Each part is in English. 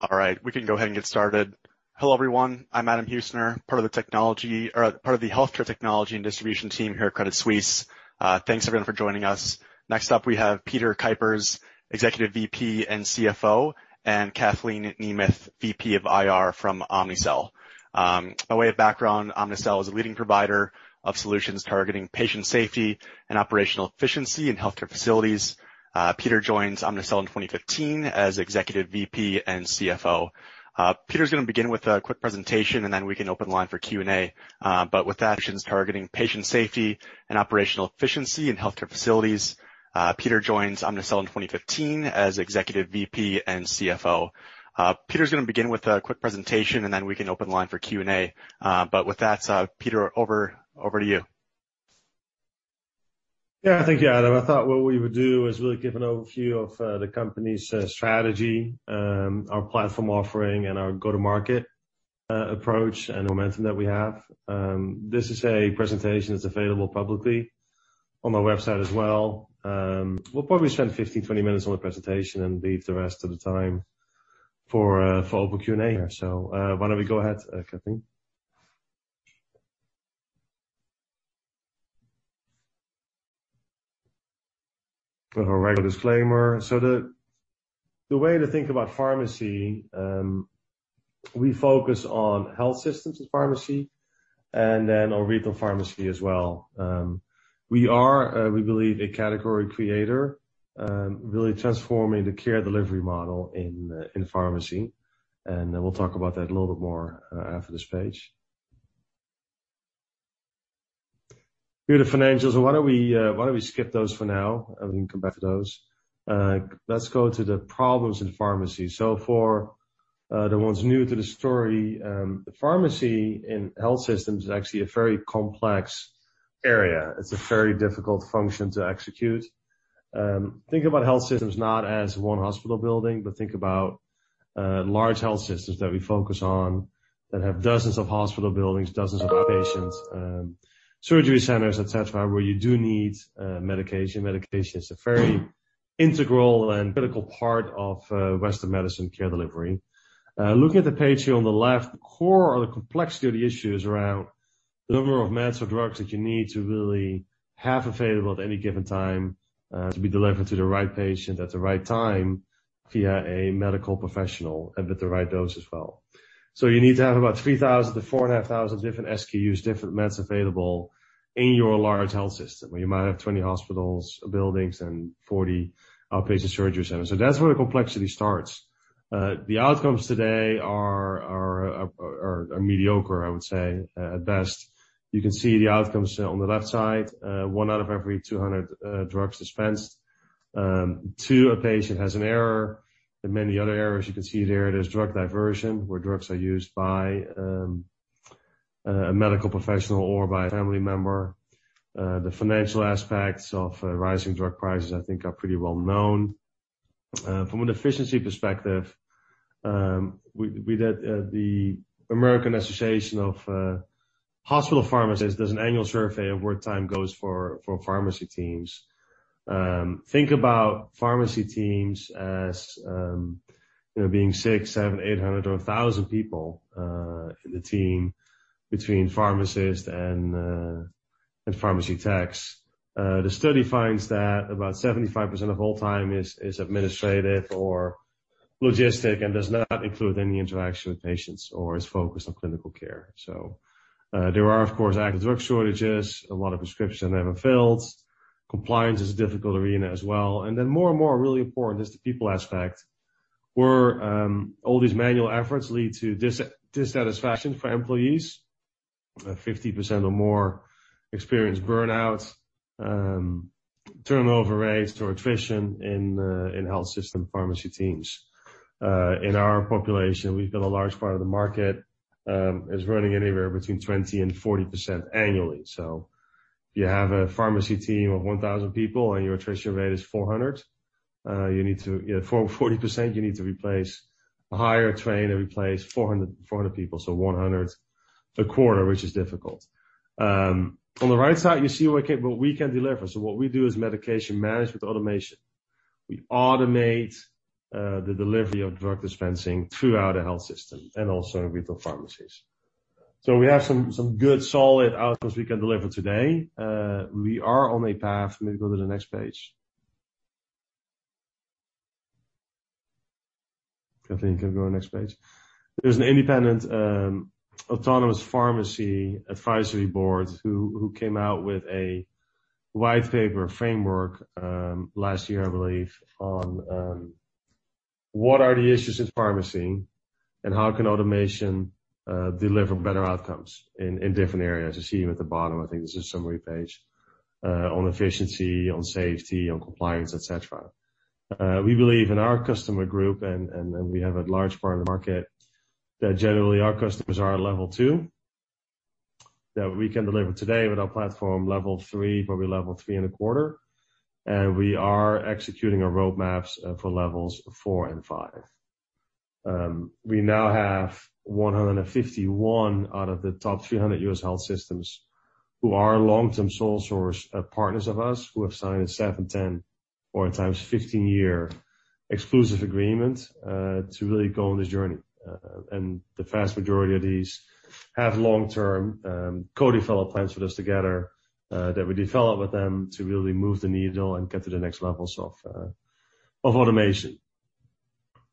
All right, we can go ahead and get started. Hello, everyone. I'm Adam Heuser, part of the healthcare technology and distribution team here at Credit Suisse. Thanks everyone for joining us. Next up, we have Peter Kuipers, Executive VP and CFO, and Kathleen Nemeth, VP of IR from Omnicell. By way of background, Omnicell is a leading provider of solutions targeting patient safety and operational efficiency in healthcare facilities. Peter joins Omnicell in 2015 as Executive VP and CFO. Peter is gonna begin with a quick presentation, and then we can open the line for Q&A. With that, Peter, over to you. Yeah. Thank you, Adam. I thought what we would do is really give an overview of the company's strategy, our platform offering and our go-to-market approach and momentum that we have. This is a presentation that's available publicly on my website as well. We'll probably spend 15, 20 minutes on the presentation and leave the rest of the time for open Q&A here. Why don't we go ahead, Kathleen? Got our regular disclaimer. The way to think about pharmacy, we focus on health systems as pharmacy and then on retail pharmacy as well. We are, we believe a category creator, really transforming the care delivery model in pharmacy. We'll talk about that a little bit more after this page. Here are the financials. Why don't we skip those for now and we can come back to those. Let's go to the problems in pharmacy. For the ones new to the story, the pharmacy in health systems is actually a very complex area. It's a very difficult function to execute. Think about health systems not as one hospital building, but think about large health systems that we focus on that have dozens of hospital buildings, dozens of patients, surgery centers, et cetera, where you do need medication. Medication is a very integral and critical part of western medicine care delivery. Looking at the page here on the left, the core or the complexity of the issue is around the number of meds or drugs that you need to really have available at any given time to be delivered to the right patient at the right time via a medical professional and with the right dose as well. So you need to have about 3,000-4,500 different SKUs, different meds available in your large health system, where you might have 20 hospitals, buildings, and 40 outpatient surgery centers. So that's where the complexity starts. The outcomes today are mediocre, I would say, at best. You can see the outcomes on the left side. One out of every 200 drugs dispensed to a patient has an error. Many other errors you can see there. There's drug diversion, where drugs are used by a medical professional or by a family member. The financial aspects of rising drug prices, I think are pretty well known. From an efficiency perspective, the American Society of Health-System Pharmacists does an annual survey of where time goes for pharmacy teams. Think about pharmacy teams as, you know, being 600, 700, 800 or 1,000 people in the team between pharmacists and pharmacy techs. The study finds that about 75% of all time is administrative or logistical and does not include any interaction with patients or is focused on clinical care. There are of course active drug shortages, a lot of prescriptions that are never filled. Compliance is a difficult arena as well. More and more really important is the people aspect, where all these manual efforts lead to dissatisfaction for employees. 50% or more experience burnout, turnover rates or attrition in health system pharmacy teams. In our population, we've got a large part of the market is running anywhere between 20% and 40% annually. If you have a pharmacy team of 1,000 people and your attrition rate is 400, 40%, you need to replace, hire, train and replace 400 people. 100 a quarter, which is difficult. On the right side you see what we can deliver. What we do is medication management automation. We automate the delivery of drug dispensing throughout a health system and also retail pharmacies. We have some good solid outcomes we can deliver today. We are on a path. Let me go to the next page. Kathleen, you can go next page. There's an independent Autonomous Pharmacy Advisory board who came out with a white paper framework last year, I believe, on what are the issues in pharmacy and how can automation deliver better outcomes in different areas. You see them at the bottom. I think this is summary page on efficiency, on safety, on compliance, et cetera. We believe in our customer group and we have a large part of the market that generally our customers are at level two, that we can deliver today with our platform level three, probably level three and a quarter. We are executing our roadmaps for levels four and five. We now have 151 out of the top 300 U.S. health systems who are long-term sole source partners of us who have signed a seven, 10- or at times 15-year exclusive agreement to really go on this journey. The vast majority of these have long-term co-develop plans with us together that we develop with them to really move the needle and get to the next levels of automation.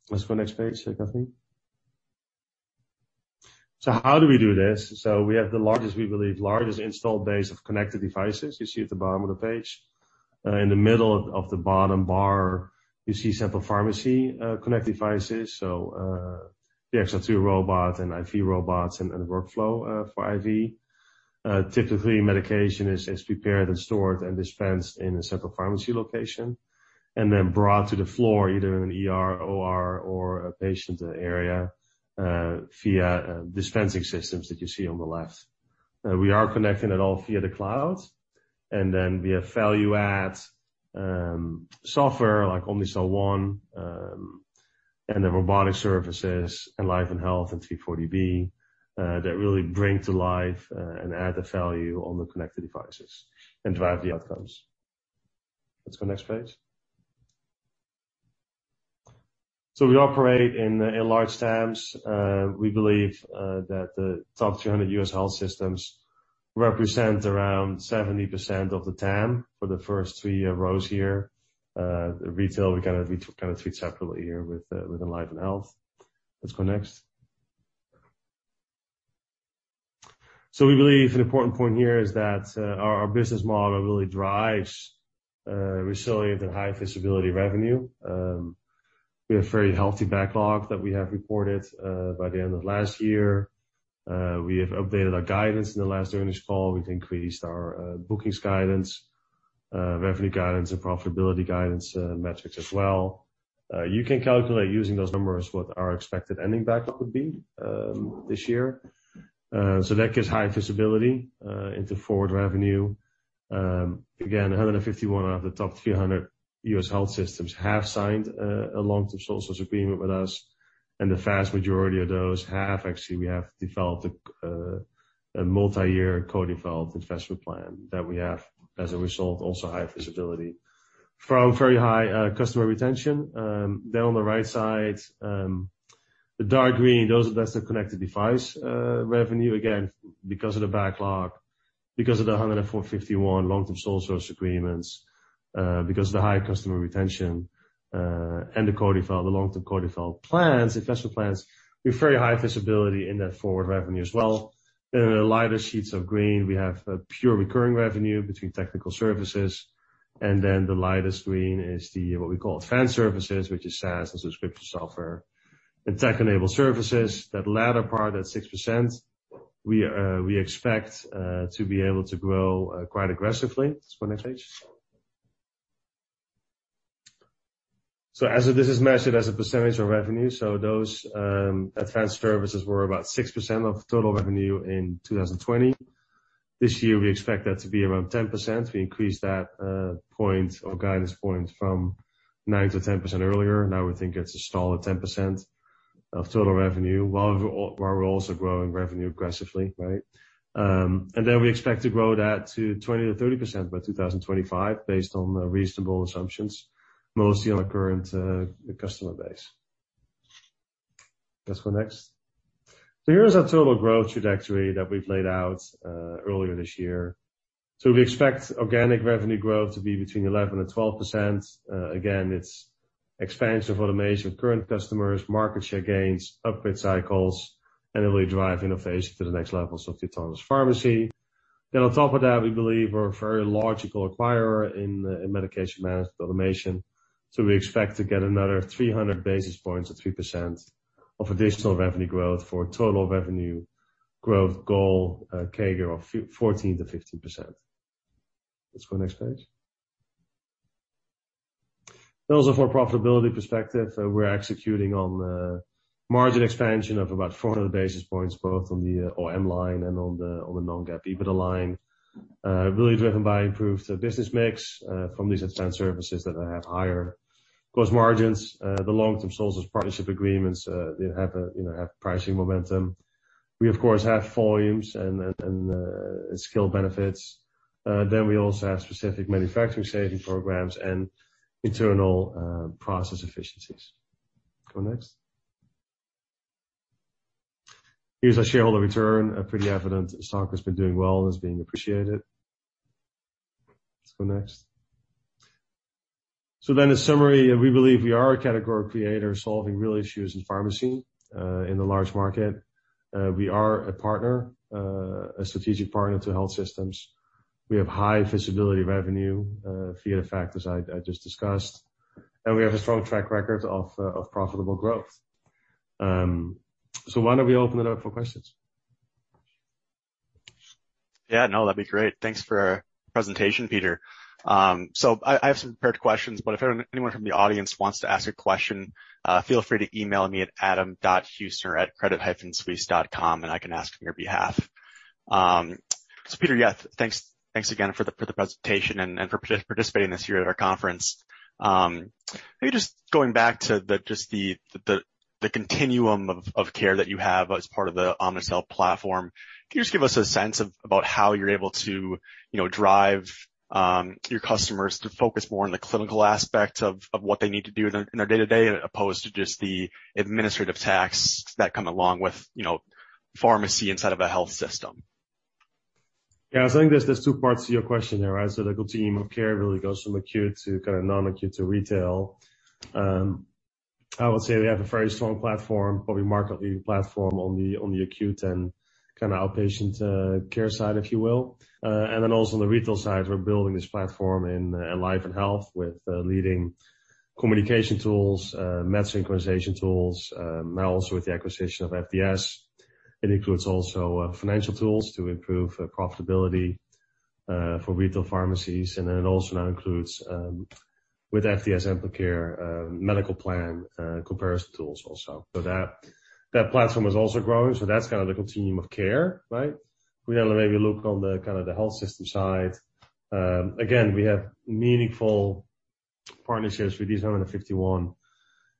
Let's go next page, Kathleen. How do we do this? We have the largest installed base of connected devices. You see at the bottom of the page. In the middle of the bottom bar, you see several pharmacy connect devices. The XR2 robot and IV robots and workflow for IV. Typically medication is prepared and stored and dispensed in a central pharmacy location and then brought to the floor, either in an ER, OR or a patient area, via dispensing systems that you see on the left. We are connecting it all via the cloud. Then we have value add software like Omnicell One, and the robotic services in EnlivenHealth and 340B, that really bring to life and add the value on the connected devices and drive the outcomes. Let's go next page. We operate in large TAMs. We believe that the top 300 U.S. health systems represent around 70% of the TAM for the first three rows here. Retail, we kinda treat separately here with, within EnlivenHealth. Let's go next. We believe an important point here is that our business model really drives resilient and high visibility revenue. We have very healthy backlog that we have reported by the end of last year. We have updated our guidance in the last earnings call. We've increased our bookings guidance, revenue guidance and profitability guidance metrics as well. You can calculate using those numbers what our expected ending backlog would be this year. That gives high visibility into forward revenue. Again, 151 out of the top 300 U.S. health systems have signed a long-term sole source agreement with us, and the vast majority of those, actually, we have developed a multi-year co-developed investment plan that we have as a result, also high visibility. From very high customer retention, then on the right side, the dark green, those are the best of connected device revenue. Again, because of the backlog, because of the 104.51 long-term sole source agreements, because of the high customer retention, and the long-term co-devel plans, investment plans, we have very high visibility in that forward revenue as well. In the lighter shades of green, we have a pure recurring revenue from technical services. The lightest green is what we call advanced services, which is SaaS and subscription software and tech-enabled services. That latter part, that 6% we expect to be able to grow quite aggressively. Let's go next page. This is measured as a percentage of revenue. Those advanced services were about 6% of total revenue in 2020. This year we expect that to be around 10%. We increased our guidance point from 9%-10% earlier. Now we think it's a solid 10% of total revenue, while we're also growing revenue aggressively, right? We expect to grow that to 20%-30% by 2025 based on reasonable assumptions, mostly on the current customer base. Let's go next. Here's our total growth trajectory that we've laid out earlier this year. We expect organic revenue growth to be between 11%-12%. Again, it's expansion of automation with current customers, market share gains, upgrade cycles, and it will drive innovation to the next levels of autonomous pharmacy. On top of that, we believe we're a very logical acquirer in medication management automation. We expect to get another 300 basis points or 3% of additional revenue growth for total revenue growth goal, CAGR of 14%-15%. Let's go next page. Those are from a profitability perspective. We're executing on margin expansion of about 400 basis points, both on the OM line and on the non-GAAP EBITDA line. Really driven by improved business mix from these advanced services that have higher gross margins. The long-term sole source partnership agreements, they have pricing momentum. We of course have volumes and scale benefits. Then we also have specific manufacturing saving programs and internal process efficiencies. Go next. Here's our shareholder return. Pretty evident the stock has been doing well and is being appreciated. Let's go next. In summary, we believe we are a category creator solving real issues in pharmacy in the large market. We are a partner, a strategic partner to health systems. We have high visibility revenue via the factors I just discussed. We have a strong track record of profitable growth. Why don't we open it up for questions? Yeah, no, that'd be great. Thanks for presentation, Peter. So I have some prepared questions, but if anyone from the audience wants to ask a question, feel free to email me at adam.heuser@credit-suisse.com, and I can ask on your behalf. So Peter, yeah, thanks again for the presentation and for participating this year at our conference. Maybe just going back to the continuum of care that you have as part of the Omnicell platform. Can you just give us a sense of about how you're able to you know drive your customers to focus more on the clinical aspect of what they need to do in their day-to-day as opposed to just the administrative tasks that come along with you know pharmacy inside of a health system? Yeah. I think there's two parts to your question there, right. The continuum of care really goes from acute to kinda non-acute to retail. I would say we have a very strong platform, probably market-leading platform on the acute and kinda outpatient care side, if you will. Then also on the retail side, we're building this platform in EnlivenHealth with leading communication tools, med synchronization tools, now also with the acquisition of FDS. It includes also financial tools to improve profitability for retail pharmacies. Then it also now includes with FDS Amplicare medical plan comparison tools also. That platform is also growing. That's kind of the continuum of care, right? We gotta maybe look on the kind of the health system side. Again, we have meaningful partnerships with these 151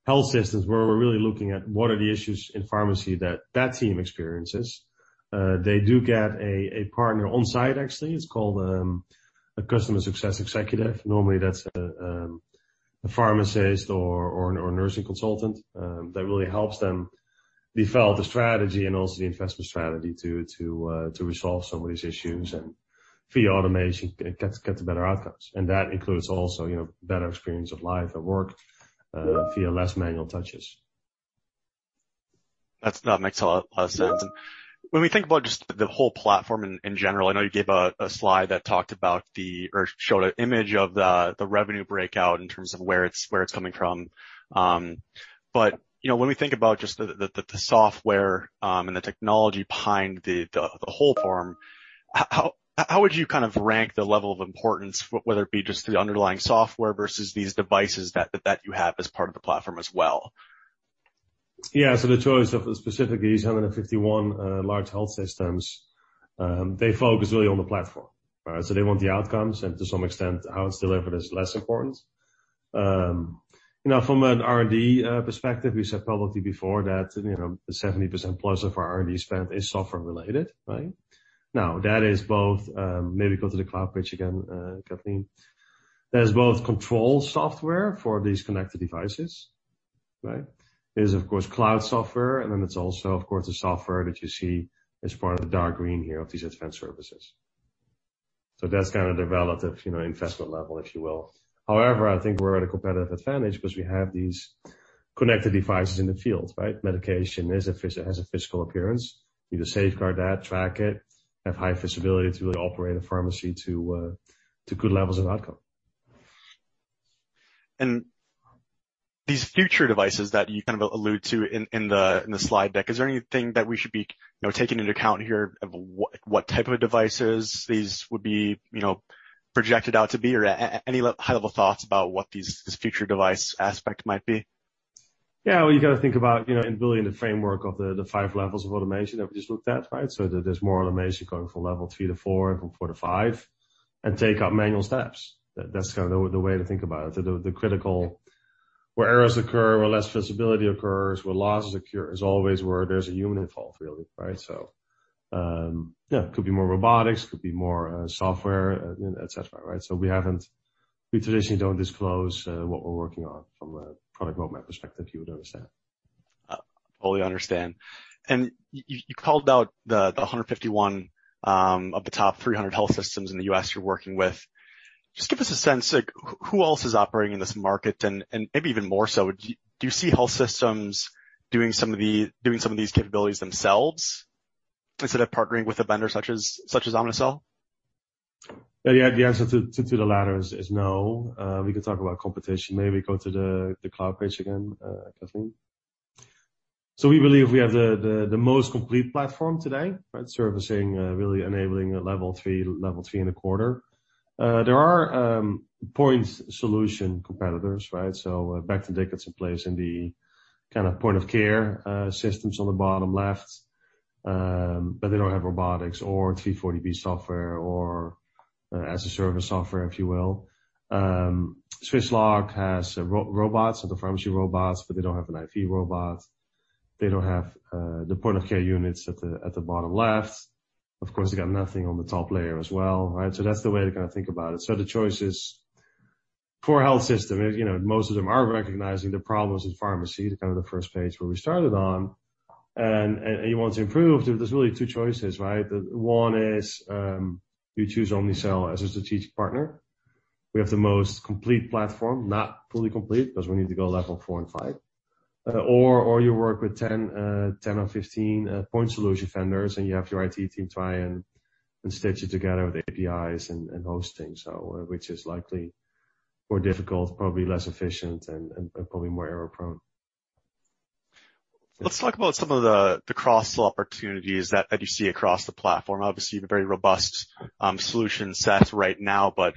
health systems where we're really looking at what are the issues in pharmacy that team experiences. They do get a partner on-site, actually. It's called a customer success executive. Normally, that's a pharmacist or a nursing consultant that really helps them develop the strategy and also the investment strategy to resolve some of these issues and via automation get to better outcomes. That includes also, you know, better experience of life at work via less manual touches. That makes a lot of sense. When we think about just the whole platform in general, I know you gave a slide or showed an image of the revenue breakout in terms of where it's coming from. But you know, when we think about just the software and the technology behind the whole platform, how would you kind of rank the level of importance, whether it be just the underlying software versus these devices that you have as part of the platform as well? Yeah. The choice of specifically these 151 large health systems, they focus really on the platform, right? They want the outcomes, and to some extent, how it's delivered is less important. You know, from an R&D perspective, we said publicly before that, you know, 70%+ of our R&D spend is software related, right? Now, that is both, maybe go to the cloud page again, Kathleen. That is both control software for these connected devices, right? It is, of course, cloud software, and then it's also, of course, the software that you see as part of the dark green here of these advanced services. That's kind of the relative, you know, investment level, if you will. However, I think we're at a competitive advantage because we have these connected devices in the field, right? Medication has a physical appearance. You need to safeguard that, track it, have high visibility to operate a pharmacy to good levels of outcome. These future devices that you kind of allude to in the slide deck, is there anything that we should be, you know, taking into account here of what type of devices these would be, you know, projected out to be? Or any high-level thoughts about what this future device aspect might be? Yeah. Well, you gotta think about, you know, in building the framework of the five levels of automation that we just looked at, right? There's more automation going from level three to four and from four to five and take out manual steps. That's kind of the way to think about it. The critical where errors occur, where less visibility occurs, where losses occur is always where there's a human involved, really, right? Yeah, could be more robotics, could be more software, etc., right? We traditionally don't disclose what we're working on from a product roadmap perspective, you would understand. I fully understand. You called out the 151 of the top 300 health systems in the U.S. you're working with. Just give us a sense, like who else is operating in this market? Maybe even more so, do you see health systems doing some of these capabilities themselves instead of partnering with a vendor such as Omnicell? Yeah. The answer to the latter is no. We can talk about competition. Maybe go to the cloud page again, Kathleen. We believe we have the most complete platform today, right? Servicing really enabling a level three and a quarter. There are point solution competitors, right? Becton Dickinson plays in the kind of point of care systems on the bottom left. But they don't have robotics or 340B software or as-a-service software, if you will. Swisslog has robots, the pharmacy robots, but they don't have an IV robot. They don't have the point of care units at the bottom left. Of course, they got nothing on the top layer as well, right? That's the way to kinda think about it. The choice is for a health system, you know, most of them are recognizing the problems in pharmacy, kind of the first page where we started on, and you want to improve, there's really two choices, right? One is you choose Omnicell as a strategic partner. We have the most complete platform, not fully complete 'cause we need to go level four and five. Or you work with 10 or 15 point solution vendors, and you have your IT team try and stitch it together with APIs and hosting. Which is likely more difficult, probably less efficient and probably more error-prone. Let's talk about some of the cross-sell opportunities that you see across the platform. Obviously, you have a very robust solution set right now, but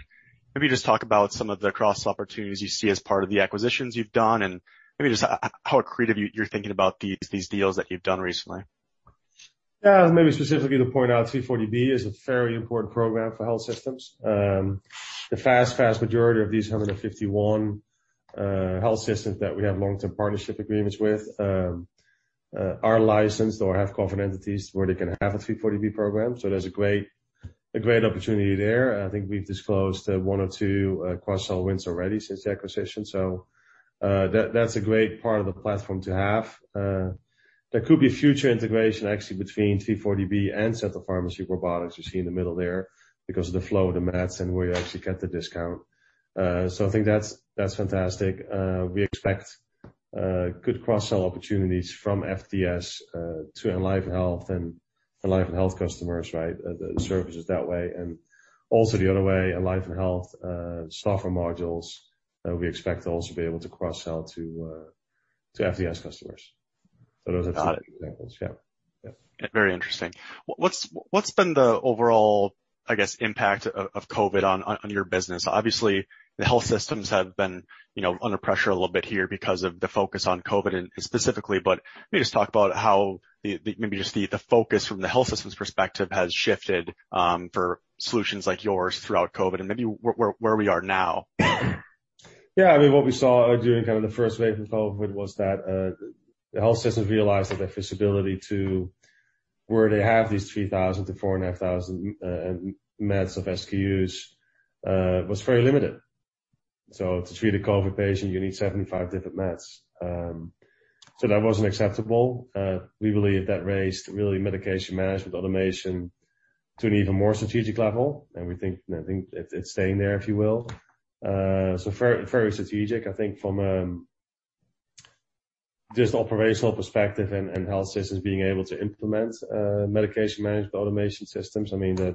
maybe just talk about some of the cross opportunities you see as part of the acquisitions you've done and maybe just how creative you're thinking about these deals that you've done recently? Yeah, maybe specifically to point out, 340B is a very important program for health systems. The vast majority of these 151 health systems that we have long-term partnership agreements with are licensed or have contract entities where they can have a 340B program. There's a great opportunity there. I think we've disclosed one or two cross-sell wins already since the acquisition. That's a great part of the platform to have. There could be future integration actually between 340B and central pharmacy robotics you see in the middle there because of the flow of the meds and where you actually get the discount. I think that's fantastic. We expect good cross-sell opportunities from FDS to EnlivenHealth and EnlivenHealth customers, right? The services that way and also the other way, EnlivenHealth software modules, we expect to also be able to cross-sell to FDS customers. Those are two examples. Yeah. Very interesting. What's been the overall, I guess, impact of COVID on your business? Obviously, the health systems have been, you know, under pressure a little bit here because of the focus on COVID and specifically, but maybe just talk about how the maybe just the focus from the health systems perspective has shifted for solutions like yours throughout COVID and maybe where we are now. Yeah. I mean, what we saw during kind of the first wave of COVID was that the health systems realized that their feasibility to where they have these 3,000-4,500 meds of SKUs was very limited. To treat a COVID patient, you need 75 different meds. That wasn't acceptable. We believe that raised really medication management automation to an even more strategic level. We think, I think it's staying there, if you will. Very, very strategic. I think from just an operational perspective and health systems being able to implement medication management automation systems, I mean,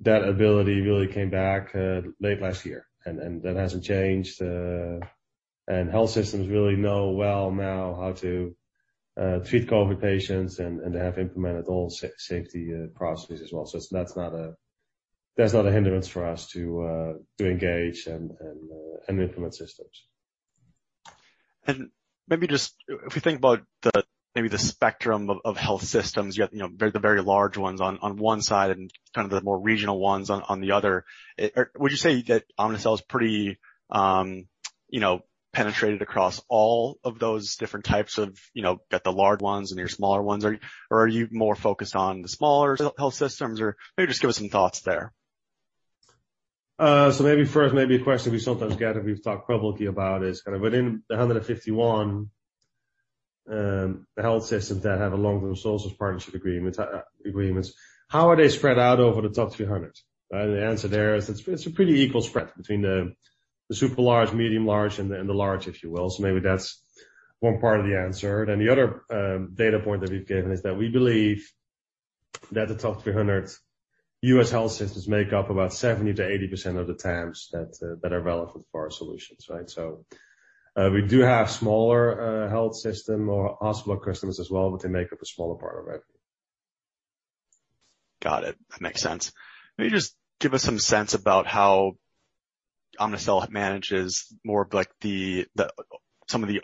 that ability really came back late last year. That hasn't changed. Health systems really know well now how to treat COVID patients and have implemented all safety processes as well. So that's not a hindrance for us to engage and implement systems. Maybe just if we think about the spectrum of health systems, you have, you know, the very large ones on one side and kind of the more regional ones on the other. Would you say that Omnicell is pretty, you know, penetrated across all of those different types of, you know, got the large ones and your smaller ones? Or are you more focused on the smaller health systems? Or maybe just give us some thoughts there? Maybe first, maybe a question we sometimes get and we've talked publicly about is kind of within the 151 health systems that have a long-term sole source partnership agreements, how are they spread out over the top 300? The answer there is it's a pretty equal spread between the super large, medium large and the large, if you will. Maybe that's one part of the answer. The other data point that we've given is that we believe that the top 300 U.S. health systems make up about 70%-80% of the TAMs that are relevant for our solutions, right? We do have smaller health system or hospital customers as well, but they make up a smaller part of it. Got it. That makes sense. Maybe just give us some sense about how Omnicell manages more of like the some of the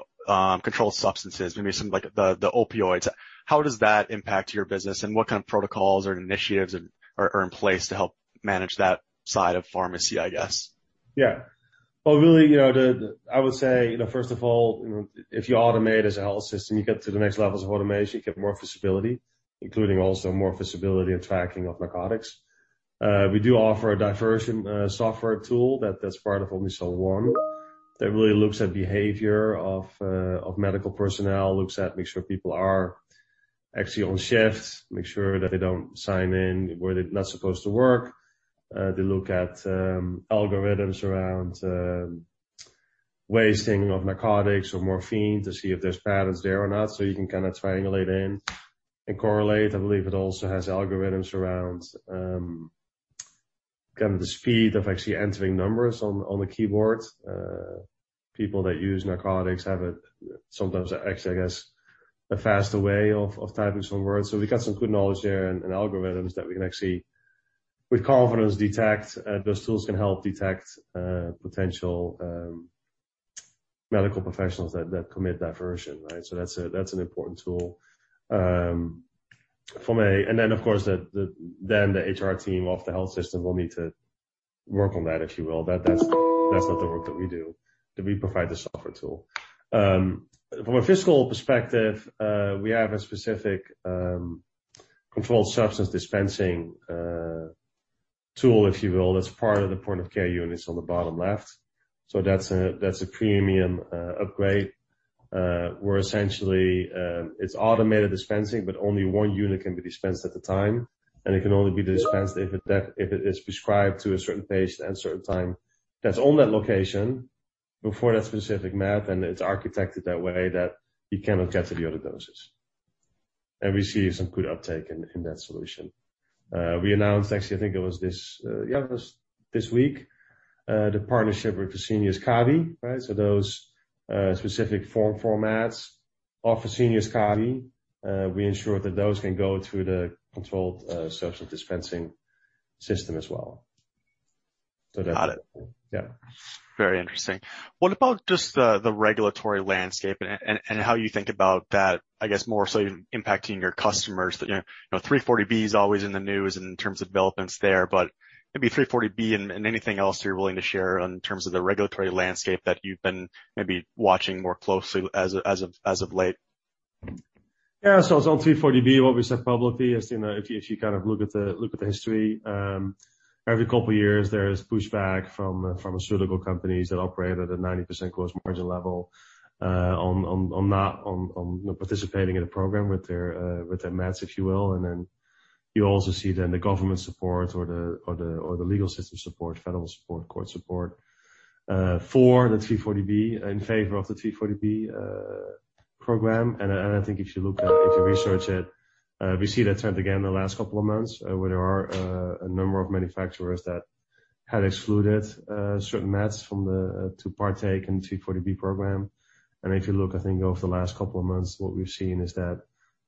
controlled substances, maybe some like the opioids. How does that impact your business and what kind of protocols or initiatives are in place to help manage that side of pharmacy, I guess? Yeah. Well, really, you know, I would say, you know, first of all, you know, if you automate as a health system, you get to the next levels of automation, you get more visibility, including also more visibility and tracking of narcotics. We do offer a diversion software tool that's part of Omnicell One that really looks at behavior of medical personnel, looks at make sure people are actually on shift, make sure that they don't sign in where they're not supposed to work. They look at algorithms around wasting of narcotics or morphine to see if there's patterns there or not. So you can kinda triangulate in and correlate. I believe it also has algorithms around kind of the speed of actually entering numbers on the keyboard. People that use narcotics have sometimes actually, I guess, a faster way of typing some words. So we got some good knowledge there and algorithms that we can actually with confidence detect. Those tools can help detect potential medical professionals that commit diversion, right? That's an important tool. Of course, the HR team of the health system will need to work on that, if you will. That's not the work that we do, we provide the software tool. From a fiscal perspective, we have a specific controlled substance dispensing tool, if you will, that's part of the point of care units on the bottom left. That's a premium upgrade where essentially it's automated dispensing, but only one unit can be dispensed at a time, and it can only be dispensed if it is prescribed to a certain patient at a certain time that's on that location for that specific med, and it's architected that way that you cannot get to the other doses. We see some good uptake in that solution. We announced actually I think it was this week the partnership with Fresenius Kabi, right? Those specific form factors of Fresenius Kabi we ensure that those can go through the controlled substance dispensing system as well. Got it. Yeah. Very interesting. What about just the regulatory landscape and how you think about that, I guess more so impacting your customers? You know, 340B is always in the news in terms of developments there, but maybe 340B and anything else you're willing to share in terms of the regulatory landscape that you've been maybe watching more closely as of late? Yeah. It's on 340B. What we said publicly is, you know, if you kind of look at the history, every couple years there is pushback from pharmaceutical companies that operate at a 90% gross margin level, on participating in a program with their meds, if you will. Then you also see the government support or the legal system support, federal support, court support, for the 340B in favor of the 340B program. I think if you look at it, if you research it, we see that trend again in the last couple of months, where there are a number of manufacturers that had excluded certain meds from the 340B program. If you look, I think over the last couple of months, what we've seen is that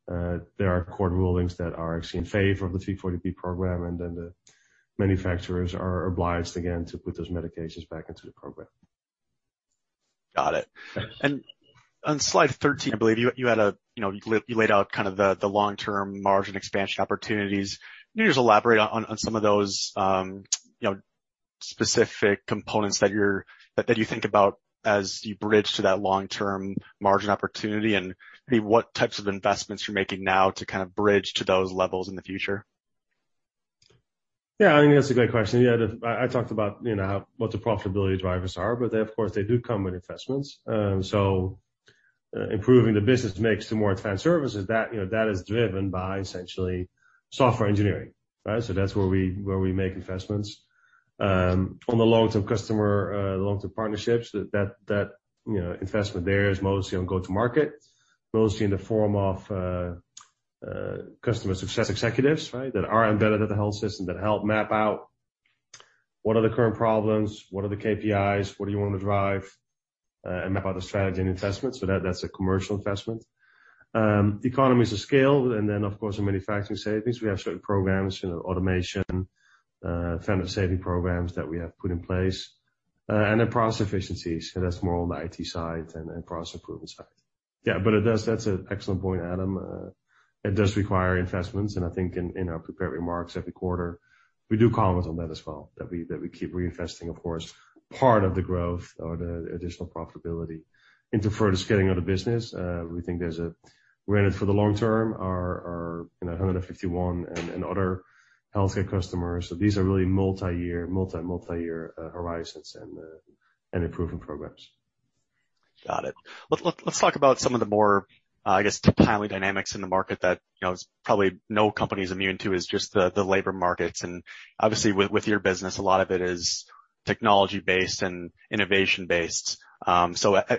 there are court rulings that are actually in favor of the 340B program, and then the manufacturers are obliged again to put those medications back into the program. Got it. Thanks. On slide 13, I believe you had, you know, you laid out kind of the long-term margin expansion opportunities. Can you just elaborate on some of those, you know, specific components that you think about as you bridge to that long-term margin opportunity, and maybe what types of investments you're making now to kind of bridge to those levels in the future? Yeah, I think that's a great question. I talked about, you know, what the profitability drivers are, but they, of course, do come with investments. Improving the business mix to more advanced services, that, you know, that is driven by essentially software engineering, right? That's where we make investments. On the long-term customer, long-term partnerships, you know, investment there is mostly on go-to-market, mostly in the form of customer success executives, right? That are embedded at the health system that help map out what are the current problems, what are the KPIs, what do you want to drive, and map out the strategy and investments. That's a commercial investment. Economies of scale, and then of course, the manufacturing savings. We have certain programs, you know, automation, vendor saving programs that we have put in place. Process efficiencies. That's more on the IT side and process approval side. Yeah, but it does. That's an excellent point, Adam. It does require investments, and I think in our prepared remarks every quarter, we do comment on that as well, that we keep reinvesting, of course, part of the growth or the additional profitability into further scaling of the business. We think we're in it for the long term. Our 151 and other healthcare customers. These are really multi-year horizons and improvement programs. Got it. Let's talk about some of the more, I guess, timely dynamics in the market that, you know, probably no company is immune to, is just the labor markets. Obviously with your business, a lot of it is technology-based and innovation-based. I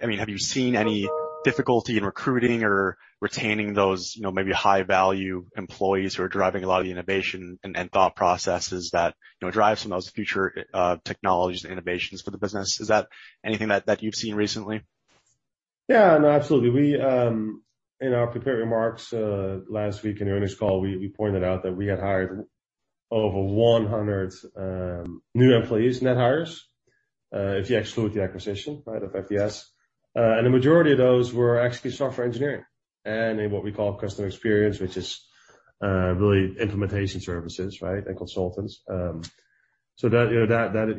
mean, have you seen any difficulty in recruiting or retaining those, you know, maybe high value employees who are driving a lot of the innovation and thought processes that, you know, drives some of those future technologies and innovations for the business? Is that anything that you've seen recently? Yeah, no, absolutely. We in our prepared remarks last week in the earnings call, we pointed out that we had hired over 100 new employees, net hires, if you exclude the acquisition, right, of FDS. And the majority of those were actually software engineering and in what we call customer experience, which is really implementation services, right, and consultants. So that, you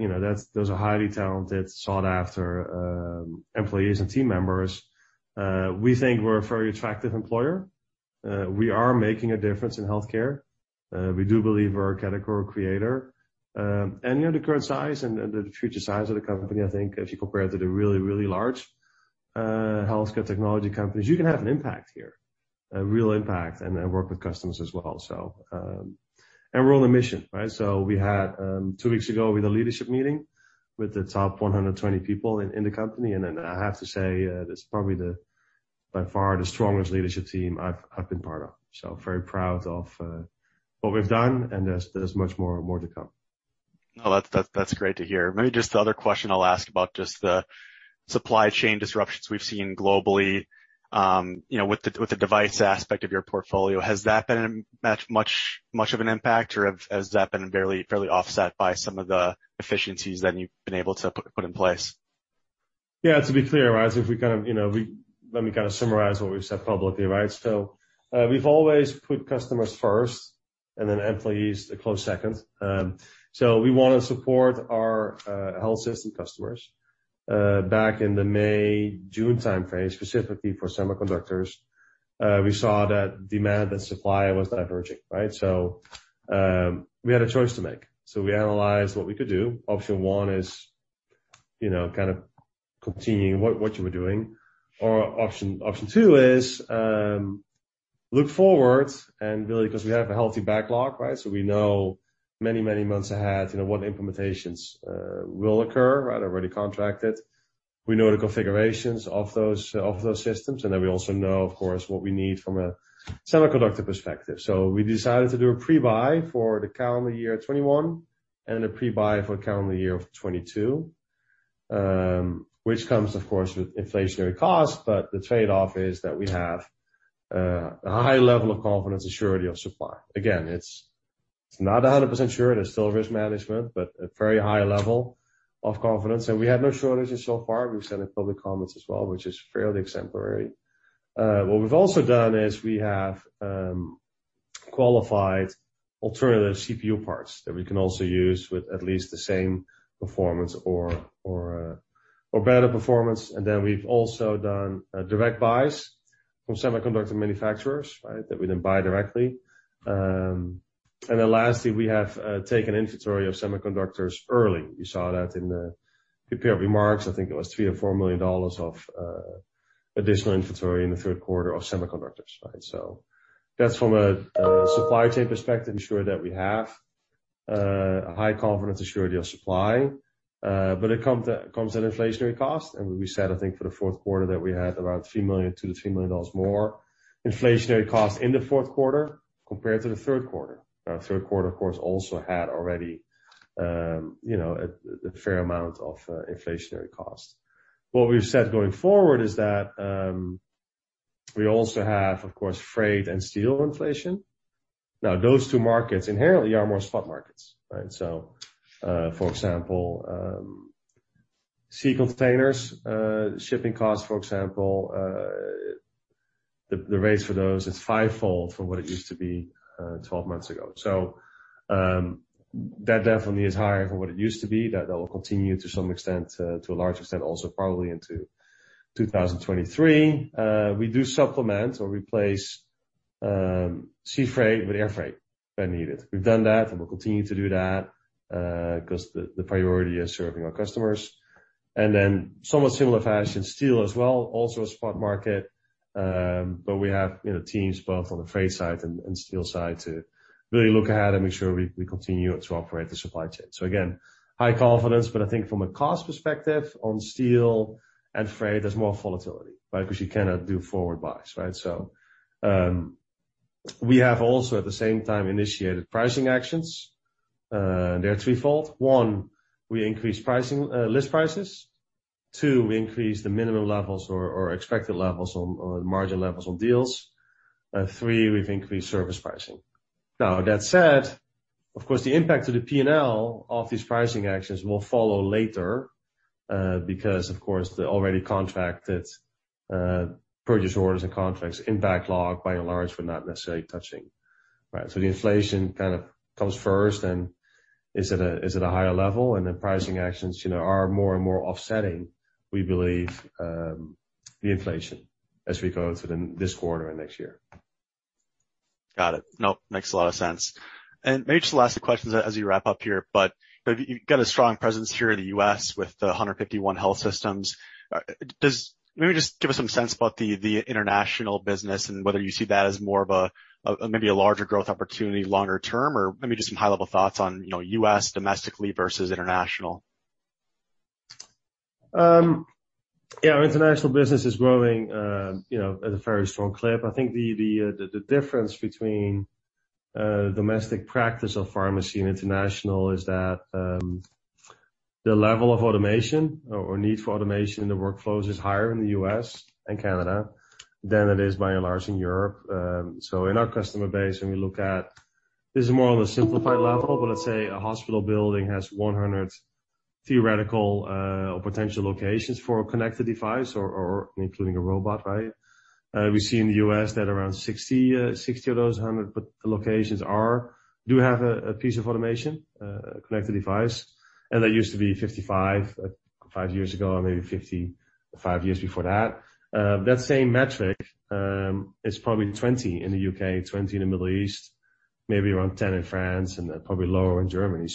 know, that's those are highly talented, sought-after employees and team members. We think we're a very attractive employer. We are making a difference in healthcare. We do believe we're a category creator. You know, the current size and the future size of the company, I think if you compare it to the really, really large healthcare technology companies, you can have an impact here, a real impact, and work with customers as well. We're on a mission, right? Two weeks ago, we had a leadership meeting with the top 120 people in the company. I have to say, that's probably by far the strongest leadership team I've been part of. Very proud of what we've done, and there's much more to come. Oh, that's great to hear. Maybe just the other question I'll ask about just the supply chain disruptions we've seen globally. You know, with the device aspect of your portfolio, has that been much of an impact or has that been fairly offset by some of the efficiencies that you've been able to put in place? Yeah. To be clear, right? Let me kind of summarize what we've said publicly, right? We've always put customers first and then employees a close second. We wanna support our health system customers. Back in the May, June timeframe, specifically for semiconductors, we saw that demand and supply was diverging, right? We had a choice to make. We analyzed what we could do. Option one is, you know, kind of continuing what you were doing or option two is look forward and really because we have a healthy backlog, right? We know many, many months ahead, you know, what implementations will occur, right, already contracted. We know the configurations of those systems, and then we also know, of course, what we need from a semiconductor perspective. We decided to do a pre-buy for the calendar year 2021 and a pre-buy for calendar year of 2022, which comes of course with inflationary costs, but the trade-off is that we have a high level of confidence and surety of supply. Again, it's not 100% sure, there's still risk management, but a very high level of confidence. We had no shortages so far. We've said it in public comments as well, which is fairly exemplary. What we've also done is we have qualified alternative CPU parts that we can also use with at least the same performance or better performance. Then we've also done direct buys from semiconductor manufacturers, right? That we then buy directly. Lastly, we have taken inventory of semiconductors early. You saw that in the prepared remarks. I think it was $3 million or $4 million of additional inventory in the third quarter of semiconductors, right? So that's from a supply chain perspective, ensure that we have a high confidence and surety of supply. It comes at inflationary cost. We said, I think for the fourth quarter that we had about $3 million, $2 million-$3 million more inflationary cost in the fourth quarter compared to the third quarter. Third quarter, of course, also had already you know, a fair amount of inflationary costs. What we've said going forward is that we also have, of course, freight and steel inflation. Now, those two markets inherently are more spot markets, right? For example, sea containers shipping costs, for example, the rates for those is fivefold from what it used to be 12 months ago. That definitely is higher from what it used to be. That will continue to some extent, to a large extent, also probably into 2023. We do supplement or replace sea freight with air freight when needed. We've done that, and we'll continue to do that, 'cause the priority is serving our customers. Then somewhat similar fashion, steel as well, also a spot market. But we have you know, teams both on the freight side and steel side to really look ahead and make sure we continue to operate the supply chain. Again, high confidence, but I think from a cost perspective on steel and freight, there's more volatility, right? 'Cause you cannot do forward buys, right? We have also at the same time initiated pricing actions. They are threefold. One, we increase pricing, list prices. Two, we increase the minimum levels or expected levels on margin levels on deals. Three, we've increased service pricing. Now, that said, of course, the impact to the P&L of these pricing actions will follow later, because of course, the already contracted purchase orders and contracts in backlog, by and large, we're not necessarily touching, right? The inflation kind of comes first and is at a higher level, and then pricing actions, you know, are more and more offsetting, we believe, the inflation as we go through this quarter and next year. Got it. Nope, makes a lot of sense. Maybe just the last questions as you wrap up here, but maybe you've got a strong presence here in the U.S. with the 151 health systems. Maybe just give us some sense about the international business and whether you see that as more of a maybe a larger growth opportunity longer term, or maybe just some high-level thoughts on, you know, U.S. domestically versus international? Yeah, our international business is growing, you know, at a very strong clip. I think the difference between domestic practice of pharmacy and international is that the level of automation or need for automation in the workflows is higher in the U.S. and Canada than it is by and large in Europe. So in our customer base, when we look at this is more on a simplified level, but let's say a hospital building has 100 theoretical or potential locations for a connected device or including a robot, right? We see in the U.S. that around 60 of those 100 potential locations do have a piece of automation, a connected device. That used to be 55 five years ago, or maybe 55 years before that. That same metric is probably 20% in the U.K., 20% in the Middle East, maybe around 10% in France, and then probably lower in Germany.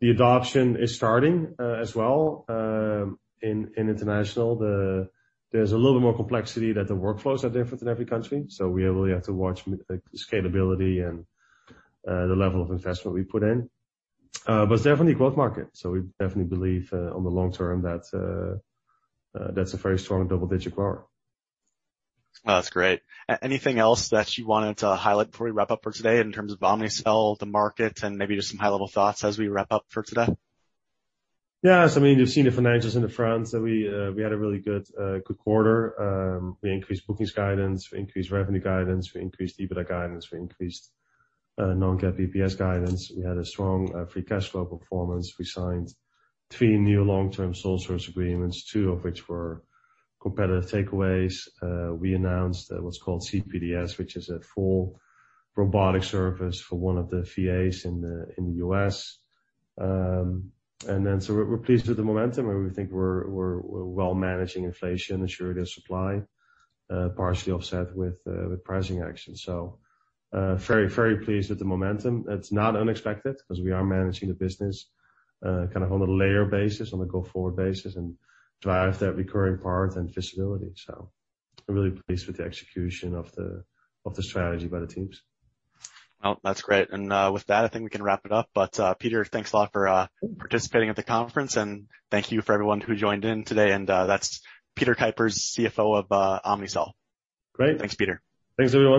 The adoption is starting as well in international. There's a little bit more complexity that the workflows are different in every country, so we really have to watch scalability and the level of investment we put in. But it's definitely growth market, so we definitely believe on the long term that that's a very strong double-digit bar. Oh, that's great. Anything else that you wanted to highlight before we wrap up for today in terms of Omnicell, the market, and maybe just some high-level thoughts as we wrap up for today? Yes. I mean, you've seen the financials in the front, so we had a really good quarter. We increased bookings guidance, we increased revenue guidance, we increased EBITDA guidance, we increased non-GAAP EPS guidance. We had a strong free cash flow performance. We signed three new long-term sole source agreements, two of which were competitive takeaways. We announced what's called CPDS, which is a full robotic service for one of the VAs in the U.S. We're well managing inflation and surety of supply, partially offset with pricing actions. Very pleased with the momentum. It's not unexpected 'cause we are managing the business, kind of on a layer basis, on a go-forward basis, and drive that recurring part and visibility. I'm really pleased with the execution of the strategy by the teams. Oh, that's great. With that, I think we can wrap it up. Peter, thanks a lot for participating at the conference and thank you for everyone who joined in today. That's Peter Kuipers, CFO of Omnicell. Great. Thanks, Peter. Thanks, everyone.